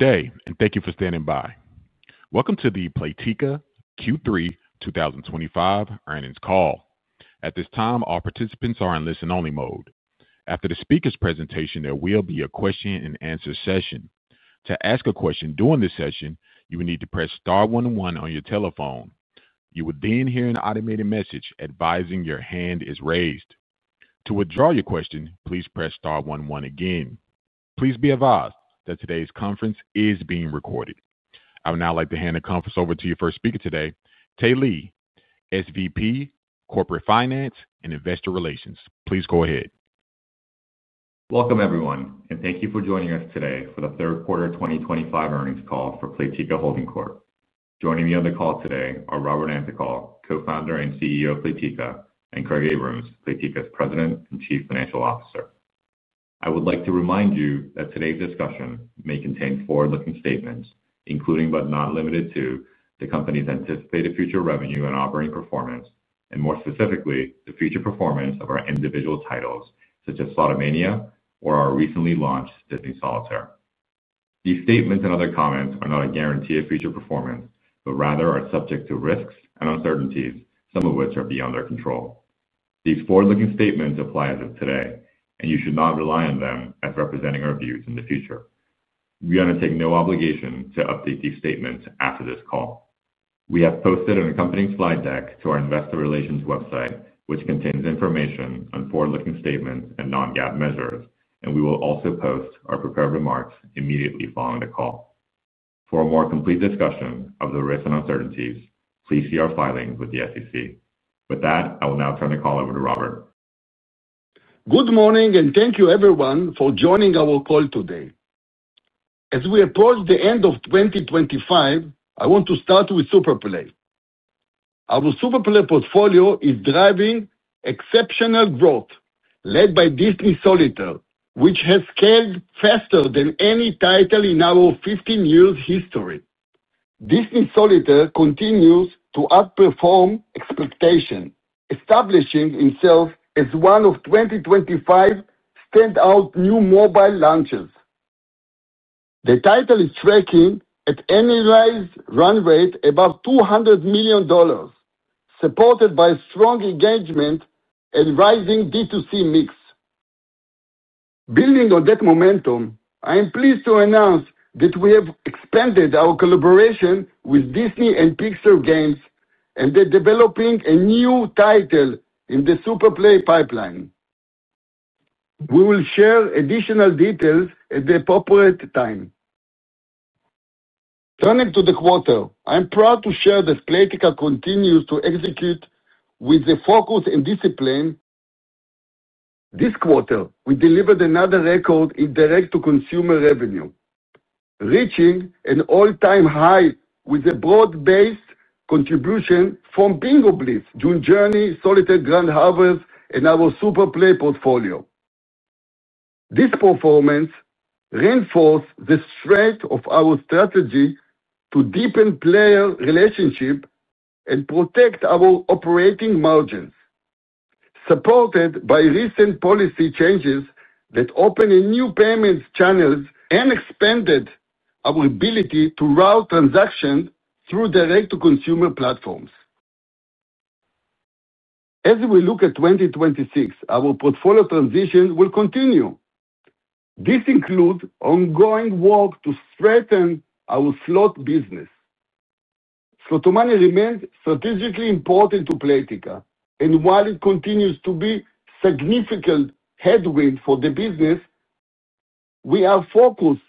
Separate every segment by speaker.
Speaker 1: Good day, and thank you for standing by. Welcome to the Playtika Q3 2025 earnings call. At this time, all participants are in listen-only mode. After the speaker's presentation, there will be a question-and-answer session. To ask a question during this session, you will need to press Star 101 on your telephone. You will then hear an automated message advising your hand is raised. To withdraw your question, please press Star 101 again. Please be advised that today's conference is being recorded. I would now like to hand the conference over to your first speaker today, Tae Lee, SVP, Corporate Finance and Investor Relations. Please go ahead.
Speaker 2: Welcome, everyone, and thank you for joining us today for the third quarter 2025 earnings call for Playtika Holding Corp. Joining me on the call today are Robert Antokol, Co-founder and CEO of Playtika, and Craig Abrahams, Playtika's President and Chief Financial Officer. I would like to remind you that today's discussion may contain forward-looking statements, including but not limited to the company's anticipated future revenue and operating performance, and more specifically, the future performance of our individual titles, such as Slotomania or our recently launched Disney Solitaire. These statements and other comments are not a guarantee of future performance, but rather are subject to risks and uncertainties, some of which are beyond our control. These forward-looking statements apply as of today, and you should not rely on them as representing our views in the future. We undertake no obligation to update these statements after this call. We have posted an accompanying slide deck to our investor relations website, which contains information on forward-looking statements and non-GAAP measures, and we will also post our prepared remarks immediately following the call. For a more complete discussion of the risks and uncertainties, please see our filings with the SEC. With that, I will now turn the call over to Robert.
Speaker 3: Good morning, and thank you, everyone, for joining our call today. As we approach the end of 2025, I want to start with SuperPlay. Our SuperPlay portfolio is driving exceptional growth, led by Disney Solitaire, which has scaled faster than any title in our 15-year history. Disney Solitaire continues to outperform expectations, establishing itself as one of 2025's standout new mobile launches. The title is tracking an annualized run rate above $200 million, supported by strong engagement and rising DTC mix. Building on that momentum, I am pleased to announce that we have expanded our collaboration with Disney & Pixar Games and are developing a new title in the SuperPlay pipeline. We will share additional details at the appropriate time. Turning to the quarter, I'm proud to share that Playtika continues to execute with focus and discipline. This quarter, we delivered another record in direct-to-consumer revenue, reaching an all-time high with a broad-based contribution from Bingo Blitz, June's Journey, Solitaire Grand Harvest, and our SuperPlay portfolio. This performance reinforced the strength of our strategy to deepen player relationships and protect our operating margins. Supported by recent policy changes that opened new payment channels and expanded our ability to route transactions through direct-to-consumer platforms. As we look at 2026, our portfolio transitions will continue. This includes ongoing work to strengthen our slot business. Slotomania remains strategically important to Playtika, and while it continues to be a significant headwind for the business, we are focused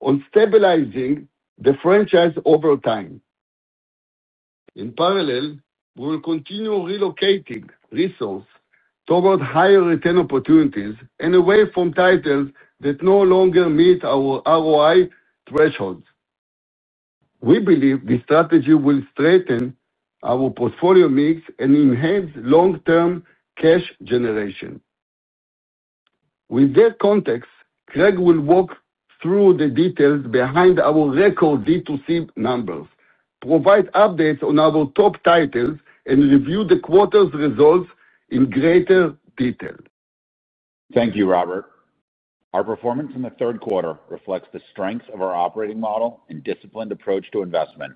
Speaker 3: on stabilizing the franchise over time. In parallel, we will continue relocating resources toward higher-return opportunities and away from titles that no longer meet our ROI thresholds. We believe this strategy will strengthen our portfolio mix and enhance long-term cash generation. With that context, Craig will walk through the details behind our record DTC numbers, provide updates on our top titles, and review the quarter's results in greater detail.
Speaker 4: Thank you, Robert. Our performance in the third quarter reflects the strength of our operating model and disciplined approach to investment.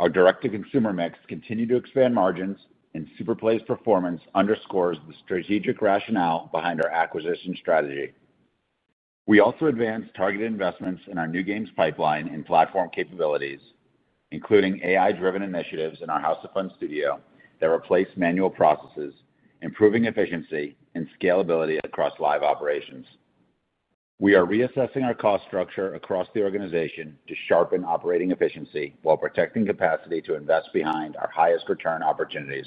Speaker 4: Our direct-to-consumer mix continued to expand margins, and SuperPlay's performance underscores the strategic rationale behind our acquisition strategy. We also advanced targeted investments in our new games pipeline and platform capabilities, including AI-driven initiatives in our House of Fun studio that replace manual processes, improving efficiency and scalability across live operations. We are reassessing our cost structure across the organization to sharpen operating efficiency while protecting capacity to invest behind our highest-return opportunities.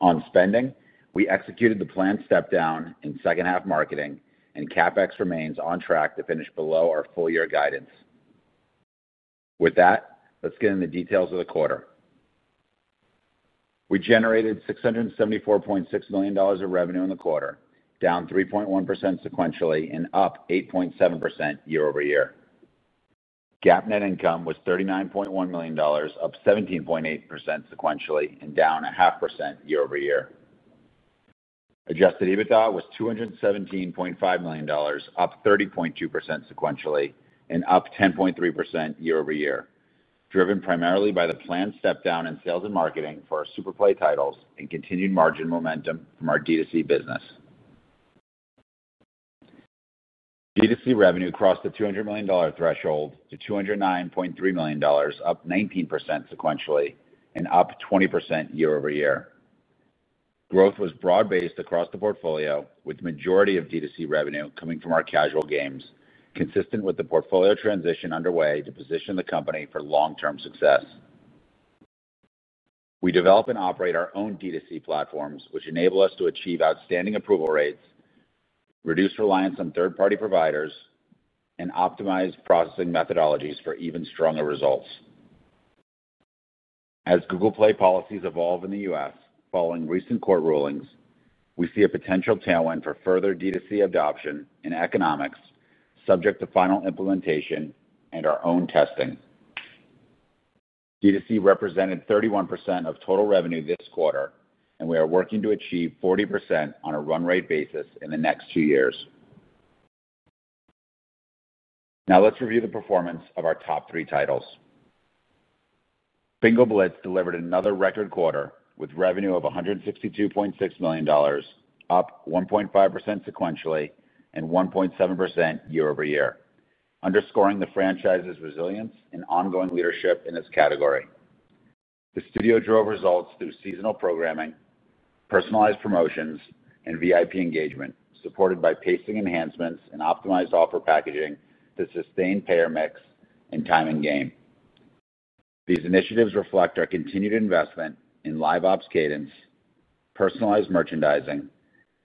Speaker 4: On spending, we executed the planned step-down in second-half marketing, and CapEx remains on track to finish below our full-year guidance. With that, let's get into the details of the quarter. We generated $674.6 million of revenue in the quarter, down 3.1% sequentially and up 8.7% year-over-year. GAAP net income was $39.1 million, up 17.8% sequentially and down 0.5% year-over-year. Adjusted EBITDA was $217.5 million, up 30.2% sequentially and up 10.3% year-over-year, driven primarily by the planned step-down in sales and marketing for our SuperPlay titles and continued margin momentum from our DTC business. DTC revenue crossed the $200 million threshold to $209.3 million, up 19% sequentially and up 20% year-over-year. Growth was broad-based across the portfolio, with the majority of DTC revenue coming from our casual games, consistent with the portfolio transition underway to position the company for long-term success. We develop and operate our own DTC platforms, which enable us to achieve outstanding approval rates, reduce reliance on third-party providers, and optimize processing methodologies for even stronger results. As Google Play policies evolve in the U.S. following recent court rulings, we see a potential tailwind for further DTC adoption in economics, subject to final implementation and our own testing. DTC represented 31% of total revenue this quarter, and we are working to achieve 40% on a run-rate basis in the next two years. Now, let's review the performance of our top three titles. Bingo Blitz delivered another record quarter with revenue of $162.6 million, up 1.5% sequentially and 1.7% year-over-year, underscoring the franchise's resilience and ongoing leadership in its category. The studio drove results through seasonal programming, personalized promotions, and VIP engagement, supported by pacing enhancements and optimized offer packaging to sustain payer mix and timing game. These initiatives reflect our continued investment in live ops cadence, personalized merchandising,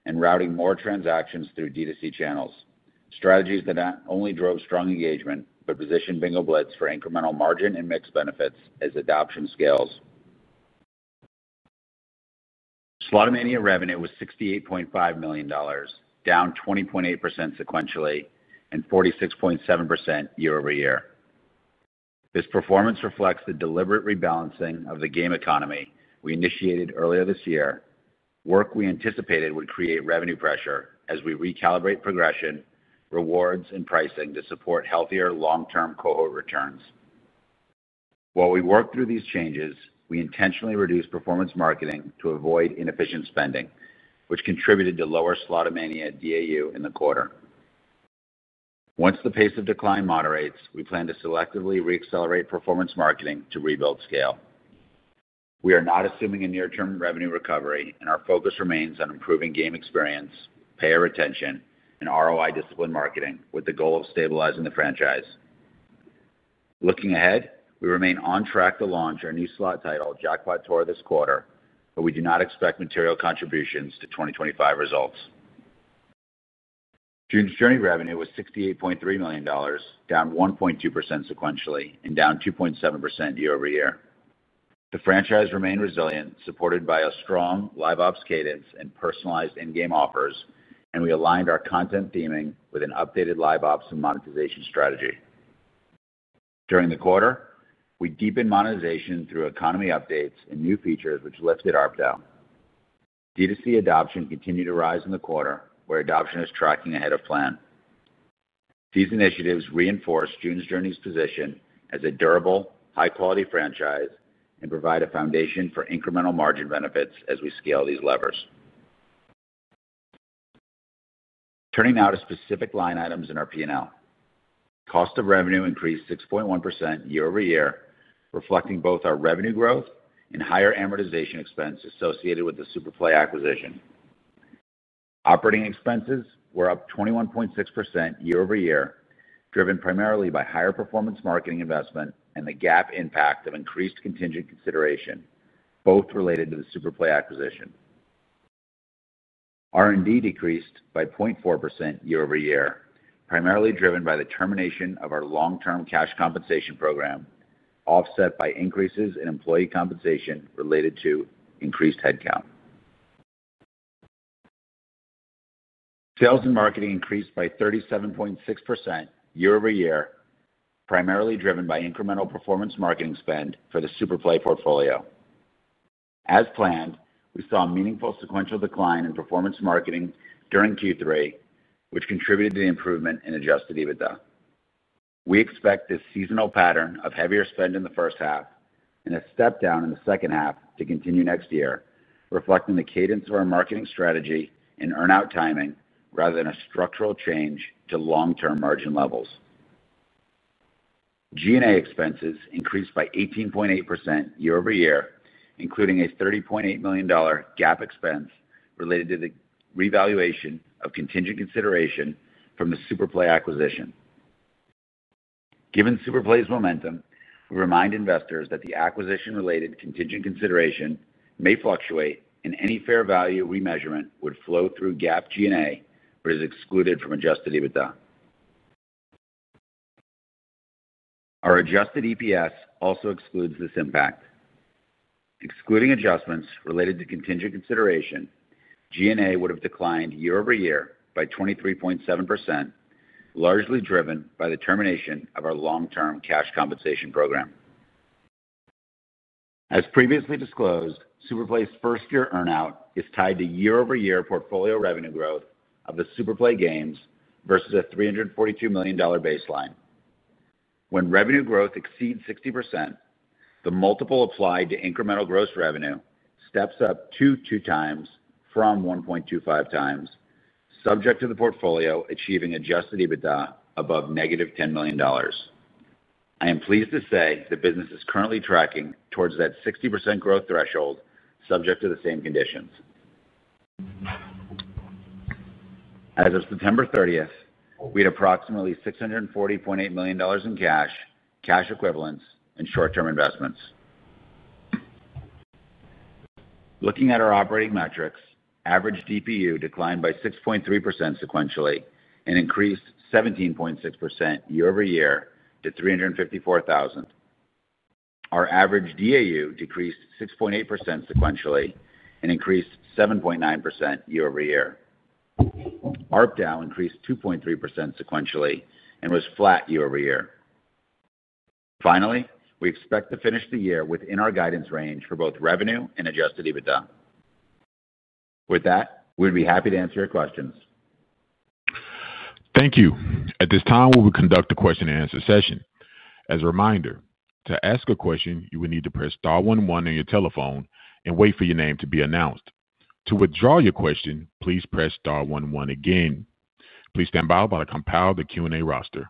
Speaker 4: and routing more transactions through DTC channels, strategies that not only drove strong engagement but positioned Bingo Blitz for incremental margin and mixed benefits as adoption scales. Slotomania revenue was $68.5 million, down 20.8% sequentially and 46.7% year-over-year. This performance reflects the deliberate rebalancing of the game economy we initiated earlier this year, work we anticipated would create revenue pressure as we recalibrate progression, rewards, and pricing to support healthier long-term cohort returns. While we worked through these changes, we intentionally reduced performance marketing to avoid inefficient spending, which contributed to lower Slotomania DAU in the quarter. Once the pace of decline moderates, we plan to selectively re-accelerate performance marketing to rebuild scale. We are not assuming a near-term revenue recovery, and our focus remains on improving game experience, payer retention, and ROI discipline marketing with the goal of stabilizing the franchise. Looking ahead, we remain on track to launch our new slot title, Jackpot Tour, this quarter, but we do not expect material contributions to 2025 results. June's Journey revenue was $68.3 million, down 1.2% sequentially and down 2.7% year-over-year. The franchise remained resilient, supported by a strong live ops cadence and personalized in-game offers, and we aligned our content theming with an updated live ops and monetization strategy. During the quarter, we deepened monetization through economy updates and new features, which lifted ARPDAU. DTC adoption continued to rise in the quarter, where adoption is tracking ahead of plan. These initiatives reinforce June's Journey's position as a durable, high-quality franchise and provide a foundation for incremental margin benefits as we scale these levers. Turning now to specific line items in our P&L. Cost of revenue increased 6.1% year-over-year, reflecting both our revenue growth and higher amortization expense associated with the SuperPlay acquisition. Operating expenses were up 21.6% year-over-year, driven primarily by higher performance marketing investment and the GAAP impact of increased contingent consideration, both related to the SuperPlay acquisition. R&D decreased by 0.4% year-over-year, primarily driven by the termination of our long-term cash compensation program, offset by increases in employee compensation related to increased headcount. Sales & Marketing increased by 37.6% year-over-year, primarily driven by incremental performance marketing spend for the SuperPlay portfolio. As planned, we saw a meaningful sequential decline in performance marketing during Q3, which contributed to the improvement in adjusted EBITDA. We expect this seasonal pattern of heavier spend in the first half and a step-down in the second half to continue next year, reflecting the cadence of our marketing strategy and earn-out timing rather than a structural change to long-term margin levels. G&A expenses increased by 18.8% year-over-year, including a $30.8 million GAAP expense related to the revaluation of contingent consideration from the SuperPlay acquisition. Given SuperPlay's momentum, we remind investors that the acquisition-related contingent consideration may fluctuate, and any fair value remeasurement would flow through GAAP G&A but is excluded from adjusted EBITDA. Our adjusted EPS also excludes this impact. Excluding adjustments related to contingent consideration, G&A would have declined year-over-year by 23.7%, largely driven by the termination of our long-term cash compensation program. As previously disclosed, SuperPlay's first-year earn-out is tied to year-over-year portfolio revenue growth of the SuperPlay games versus a $342 million baseline. When revenue growth exceeds 60%, the multiple applied to incremental gross revenue steps up to 2x from 1.25x, subject to the portfolio achieving adjusted EBITDA above -$10 million. I am pleased to say the business is currently tracking towards that 60% growth threshold, subject to the same conditions. As of September 30th, we had approximately $640.8 million in cash, cash equivalents, and short-term investments. Looking at our operating metrics, average DPU declined by 6.3% sequentially and increased 17.6% year-over-year to $354,000. Our average DAU decreased 6.8% sequentially and increased 7.9% year-over-year. ARPDAU increased 2.3% sequentially and was flat year-over-year. Finally, we expect to finish the year within our guidance range for both revenue and adjusted EBITDA. With that, we'd be happy to answer your questions.
Speaker 1: Thank you. At this time, we will conduct a question-and-answer session. As a reminder, to ask a question, you will need to press star one one on your telephone and wait for your name to be announced. To withdraw your question, please press star one one again. Please stand by while I compile the Q&A roster.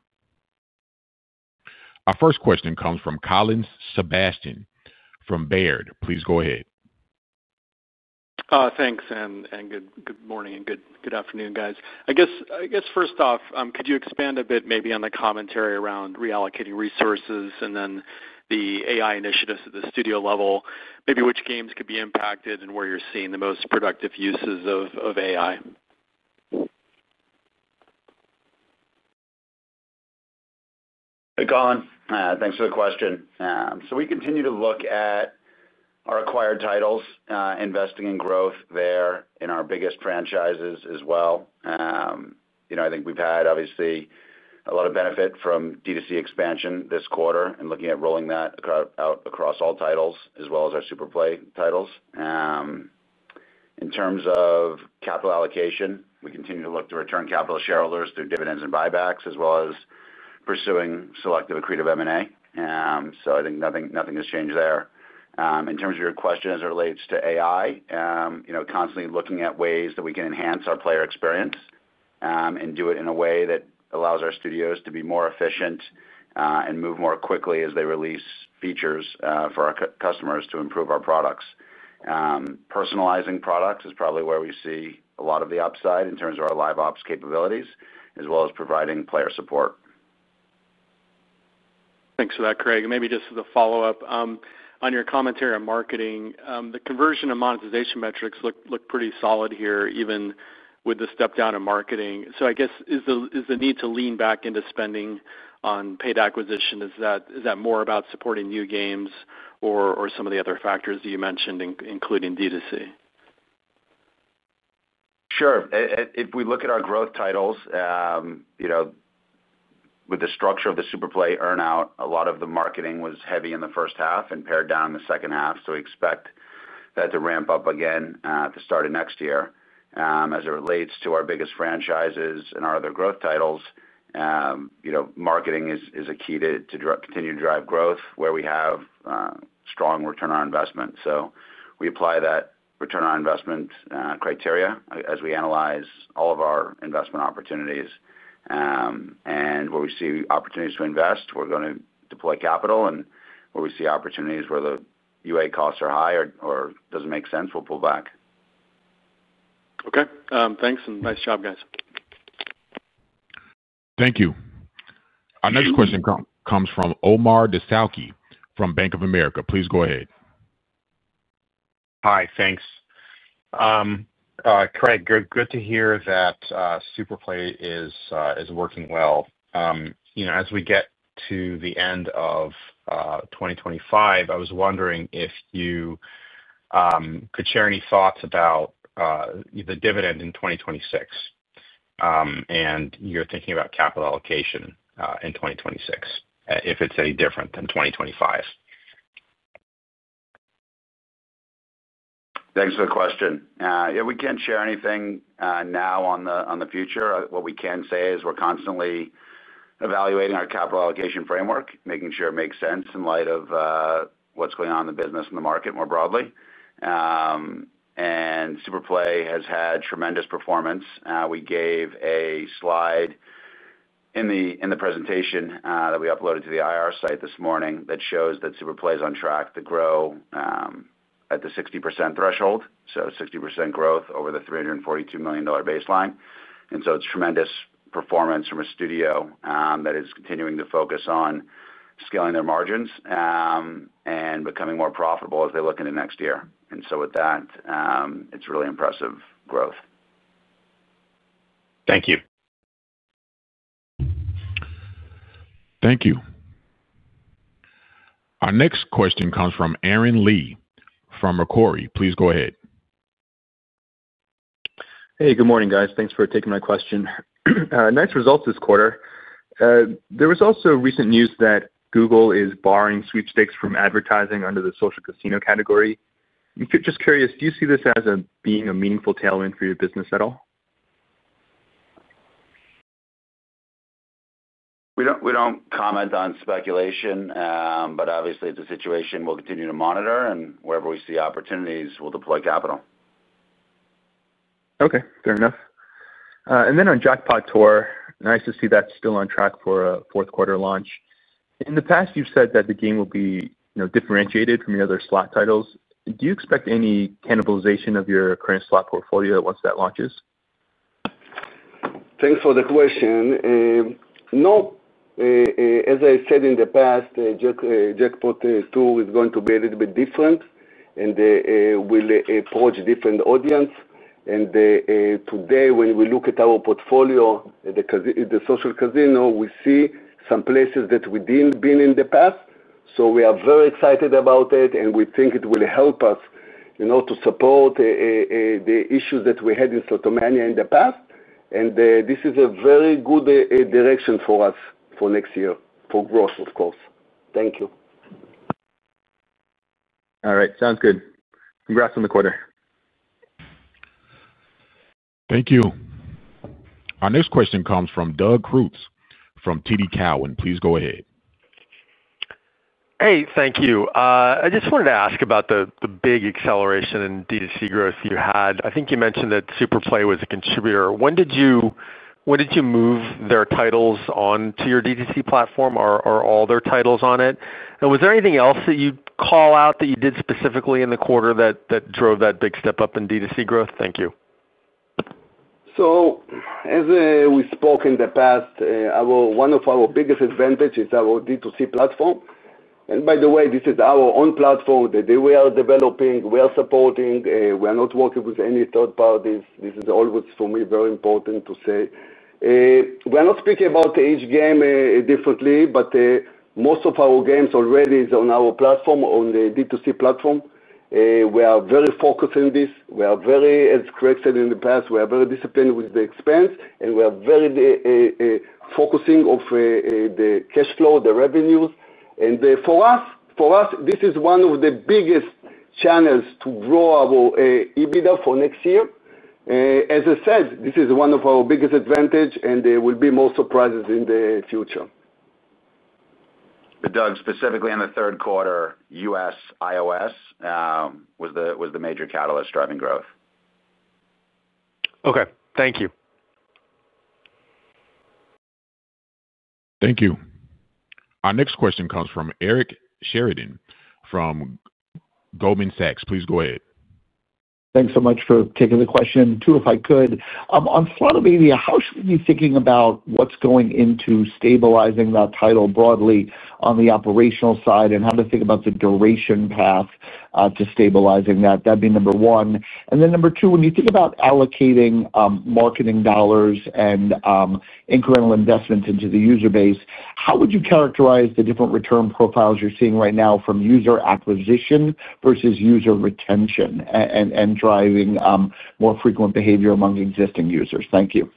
Speaker 1: Our first question comes from Colin Sebastian from Baird. Please go ahead.
Speaker 5: Thanks, and good morning and good afternoon, guys. I guess, first off, could you expand a bit maybe on the commentary around reallocating resources and then the AI initiatives at the studio level? Maybe which games could be impacted and where you're seeing the most productive uses of AI?
Speaker 4: Hey, Colin. Thanks for the question. We continue to look at our acquired titles, investing in growth there in our biggest franchises as well. I think we've had, obviously, a lot of benefit from DTC expansion this quarter and looking at rolling that out across all titles as well as our SuperPlay titles. In terms of capital allocation, we continue to look to return capital to shareholders through dividends and buybacks as well as pursuing selective accretive M&A. I think nothing has changed there. In terms of your question as it relates to AI, constantly looking at ways that we can enhance our player experience and do it in a way that allows our studios to be more efficient and move more quickly as they release features for our customers to improve our products. Personalizing products is probably where we see a lot of the upside in terms of our live ops capabilities as well as providing player support.
Speaker 5: Thanks for that, Craig. Maybe just as a follow-up on your commentary on marketing, the conversion and monetization metrics look pretty solid here even with the step-down in marketing. I guess, is the need to lean back into spending on paid acquisition, is that more about supporting new games or some of the other factors that you mentioned, including DTC?
Speaker 4: Sure. If we look at our growth titles. With the structure of the SuperPlay earn-out, a lot of the marketing was heavy in the first half and pared down in the second half. We expect that to ramp up again at the start of next year. As it relates to our biggest franchises and our other growth titles. Marketing is a key to continue to drive growth where we have strong return on investment. We apply that return on investment criteria as we analyze all of our investment opportunities. Where we see opportunities to invest, we're going to deploy capital. Where we see opportunities where the UA costs are high or does not make sense, we'll pull back.
Speaker 5: Okay. Thanks and nice job, guys.
Speaker 1: Thank you. Our next question comes from Omar Dessouky from Bank of America. Please go ahead.
Speaker 6: Hi, thanks. Craig, good to hear that SuperPlay is working well. As we get to the end of 2025, I was wondering if you could share any thoughts about the dividend in 2026. And you're thinking about capital allocation in 2026, if it's any different than 2025.
Speaker 4: Thanks for the question. Yeah, we can't share anything now on the future. What we can say is we're constantly evaluating our capital allocation framework, making sure it makes sense in light of what's going on in the business and the market more broadly. SuperPlay has had tremendous performance. We gave a slide in the presentation that we uploaded to the IR site this morning that shows that SuperPlay is on track to grow at the 60% threshold, so 60% growth over the $342 million baseline. It's tremendous performance from a studio that is continuing to focus on scaling their margins and becoming more profitable as they look into next year. With that, it's really impressive growth.
Speaker 6: Thank you.
Speaker 1: Thank you. Our next question comes from Aaron Lee from Macquarie. Please go ahead.
Speaker 7: Hey, good morning, guys. Thanks for taking my question. Nice results this quarter. There was also recent news that Google is barring sweepstakes from advertising under the Social Casino category. Just curious, do you see this as being a meaningful tailwind for your business at all?
Speaker 4: We don't comment on speculation, but obviously, it's a situation we'll continue to monitor, and wherever we see opportunities, we'll deploy capital.
Speaker 7: Okay. Fair enough. Then on Jackpot Tour, nice to see that's still on track for a fourth-quarter launch. In the past, you've said that the game will be differentiated from your other slot titles. Do you expect any cannibalization of your current slot portfolio once that launches?
Speaker 3: Thanks for the question. No. As I said in the past, Jackpot Tour is going to be a little bit different. It will approach a different audience. Today, when we look at our portfolio, the Social Casino, we see some places that we did not have in the past. We are very excited about it, and we think it will help us to support the issues that we had in Slotomania in the past. This is a very good direction for us for next year, for growth, of course. Thank you.
Speaker 7: All right. Sounds good. Congrats on the quarter.
Speaker 1: Thank you. Our next question comes from Doug Creutz from TD Cowen. Please go ahead.
Speaker 8: Hey, thank you. I just wanted to ask about the big acceleration in DTC growth you had. I think you mentioned that SuperPlay was a contributor. When did you move their titles onto your DTC platform? Are all their titles on it? Was there anything else that you'd call out that you did specifically in the quarter that drove that big step up in DTC growth? Thank you.
Speaker 3: As we spoke in the past, one of our biggest advantages is our DTC platform. By the way, this is our own platform that we are developing, we are supporting, we are not working with any third parties. This is always, for me, very important to say. We are not speaking about each game differently, but most of our games already are on our platform, on the DTC platform. We are very focused on this. We are very, as Craig said in the past, we are very disciplined with the expense, and we are very focused on the cash flow, the revenues. For us, this is one of the biggest channels to grow our EBITDA for next year. As I said, this is one of our biggest advantages, and there will be more surprises in the future.
Speaker 4: Doug, specifically in the third quarter, U.S. iOS was the major catalyst driving growth.
Speaker 8: Okay. Thank you.
Speaker 1: Thank you. Our next question comes from Eric Sheridan from Goldman Sachs. Please go ahead.
Speaker 9: Thanks so much for taking the question. Two, if I could. On Slotomania, you're thinking about what's going into stabilizing that title broadly on the operational side and how to think about the duration path to stabilizing that. That'd be number one. And then number two, when you think about allocating marketing dollars and incremental investments into the user base, how would you characterize the different return profiles you're seeing right now from user acquisition versus user retention and driving more frequent behavior among existing users? Thank you.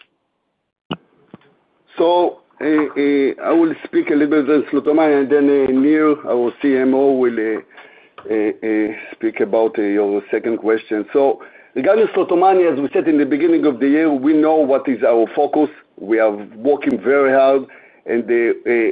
Speaker 3: I will speak a little bit about Slotomania, and then Nir, our CMO, will speak about your second question. Regarding Slotomania, as we said in the beginning of the year, we know what is our focus. We are working very hard, and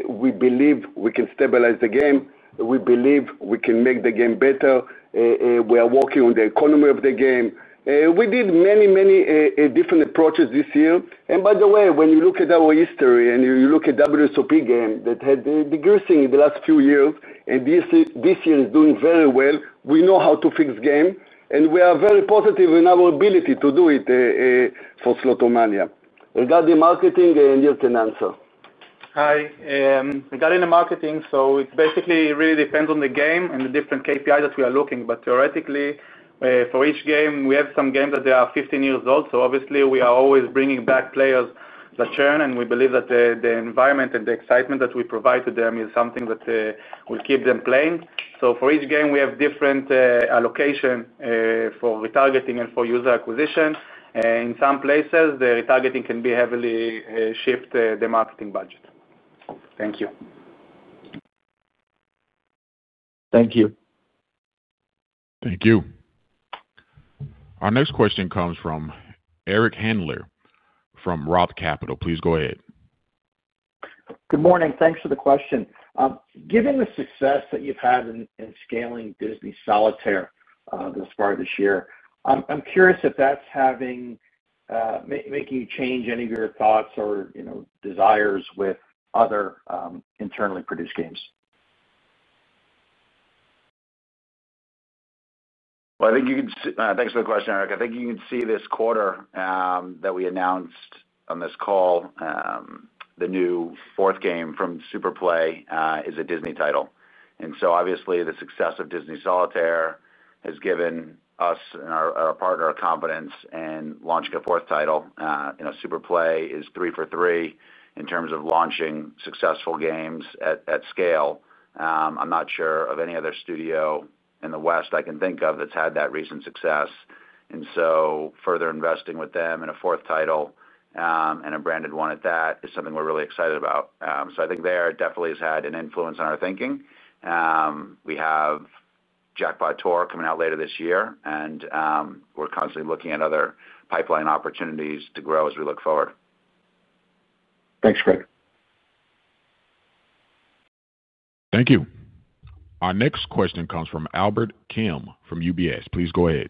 Speaker 3: we believe we can stabilize the game. We believe we can make the game better. We are working on the economy of the game. We did many, many different approaches this year. By the way, when you look at our history and you look at WSOP Game, that had the greatest thing in the last few years, and this year is doing very well. We know how to fix game, and we are very positive in our ability to do it. For Slotomania, regarding marketing, Nir can answer.
Speaker 10: Hi. Regarding the marketing, it basically really depends on the game and the different KPIs that we are looking. But theoretically, for each game, we have some games that are 15 years old. Obviously, we are always bringing back players that churn, and we believe that the environment and the excitement that we provide to them is something that will keep them playing. For each game, we have different allocations for retargeting and for user acquisition. In some places, the retargeting can be heavily shifted by the marketing budget. Thank you.
Speaker 9: Thank you.
Speaker 1: Thank you. Our next question comes from Eric Handler from ROTH Capital. Please go ahead.
Speaker 11: Good morning. Thanks for the question. Given the success that you've had in scaling Disney Solitaire this far this year, I'm curious if that's making you change any of your thoughts or desires with other internally produced games.
Speaker 4: I think you can—thanks for the question, Eric. I think you can see this quarter that we announced on this call. The new fourth game from SuperPlay is a Disney title. Obviously, the success of Disney Solitaire has given us and our partner confidence in launching a fourth title. SuperPlay is three for three in terms of launching successful games at scale. I'm not sure of any other studio in the West I can think of that's had that recent success. Further investing with them in a fourth title, and a branded one at that, is something we're really excited about. I think there definitely has had an influence on our thinking. We have Jackpot Tour coming out later this year, and we're constantly looking at other pipeline opportunities to grow as we look forward.
Speaker 11: Thanks, Craig.
Speaker 1: Thank you. Our next question comes from Albert Kim from UBS. Please go ahead.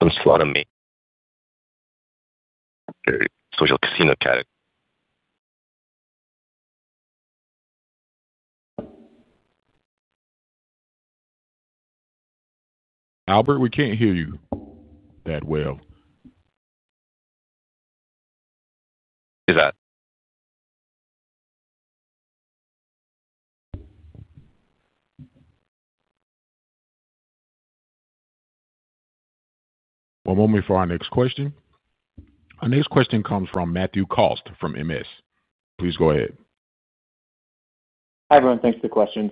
Speaker 12: I'm Slotomania. Social Casino cat.
Speaker 1: Albert, we can't hear you that well.
Speaker 12: Is that?
Speaker 1: One moment for our next question. Our next question comes from Matthew Cost from Morgan Stanley. Please go ahead.
Speaker 13: Hi, everyone. Thanks for the questions.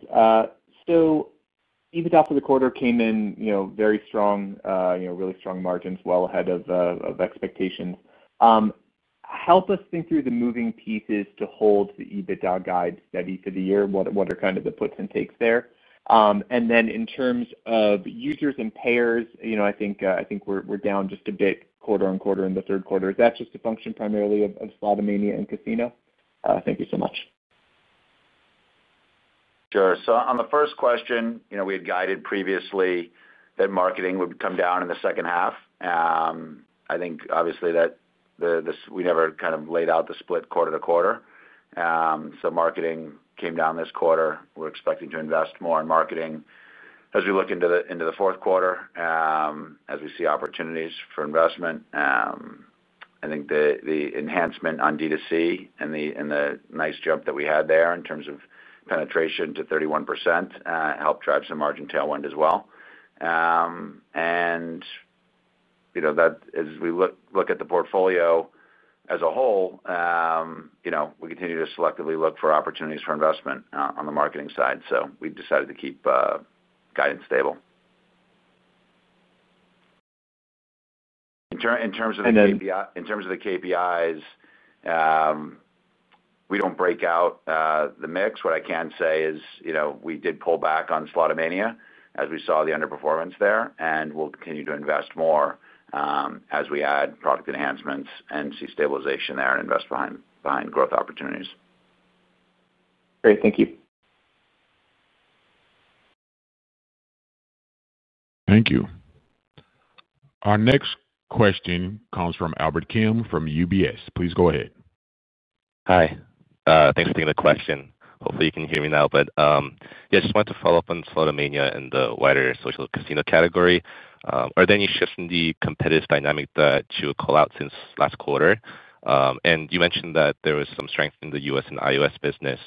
Speaker 13: EBITDA for the quarter came in very strong, really strong margins, well ahead of expectations. Help us think through the moving pieces to hold the EBITDA guide steady for the year. What are kind of the puts and takes there? In terms of users and payers, I think we're down just a bit quarter-on-quarter in the third quarter. Is that just a function primarily of Slotomania and Casino? Thank you so much.
Speaker 4: Sure. On the first question, we had guided previously that marketing would come down in the second half. I think, obviously, that. We never kind of laid out the split quarter to quarter. Marketing came down this quarter. We're expecting to invest more in marketing as we look into the fourth quarter as we see opportunities for investment. I think the enhancement on DTC and the nice jump that we had there in terms of penetration to 31% helped drive some margin tailwind as well. As we look at the portfolio as a whole, we continue to selectively look for opportunities for investment on the marketing side. We have decided to keep guidance stable. In terms of the KPIs, we do not break out the mix. What I can say is we did pull back on Slotomania as we saw the underperformance there, and we'll continue to invest more. As we add product enhancements and see stabilization there and invest behind growth opportunities.
Speaker 13: Great. Thank you.
Speaker 1: Thank you. Our next question comes from Albert Kim from UBS. Please go ahead.
Speaker 12: Hi. Thanks for taking the question. Hopefully, you can hear me now. Yeah, I just wanted to follow up on Slotomania and the wider Social Casino category. Are there any shifts in the competitive dynamic that you would call out since last quarter? You mentioned that there was some strength in the U.S. and iOS business.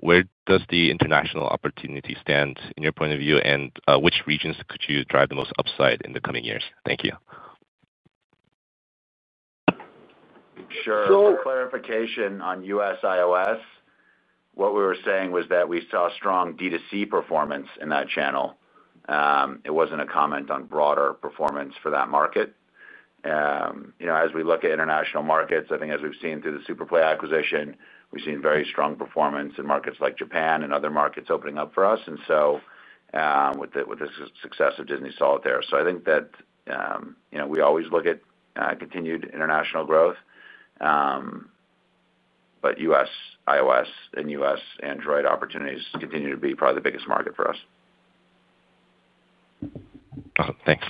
Speaker 12: Where does the international opportunity stand in your point of view, and which regions could you drive the most upside in the coming years? Thank you.
Speaker 4: Sure. For clarification on U.S. iOS. What we were saying was that we saw strong DTC performance in that channel. It was not a comment on broader performance for that market. As we look at international markets, I think as we have seen through the SuperPlay acquisition, we have seen very strong performance in markets like Japan and other markets opening up for us. With the success of Disney Solitaire, I think that we always look at continued international growth. U.S. iOS and U.S. Android opportunities continue to be probably the biggest market for us.
Speaker 12: Thanks.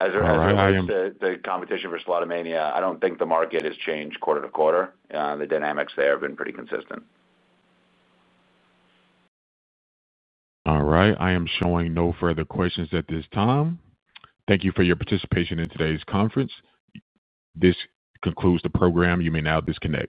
Speaker 4: As it relates to the competition for Slotomania, I don't think the market has changed quarter to quarter. The dynamics there have been pretty consistent.
Speaker 1: All right. I am showing no further questions at this time. Thank you for your participation in today's conference. This concludes the program. You may now disconnect.